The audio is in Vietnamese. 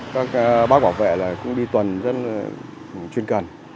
các bác bảo vệ cũng đi tuần rất là chuyên cần